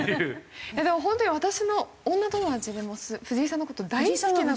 でもホントに私の女友達でも藤井さんの事大好きな子がいて。